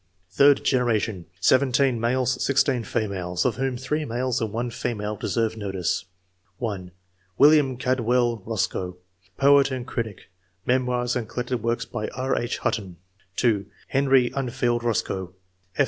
Third generation. — 17 males, 16 females, of whom 3 males and 1 female deserve notice :— (1) William Caldwell Roscoe, poet and critic (memoirs and collected works by R. H. Hutton) ; (2) Henry Enfield Roscoe, F.